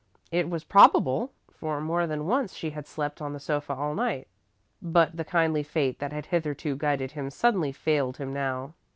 It was probable, for more than once she had slept on the sofa all night. But the kindly fate that had hitherto guided him suddenly failed him now.